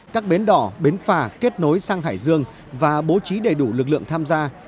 các bến đỏ bến phà kết nối sang hải dương và bố trí đầy đủ lực lượng tham gia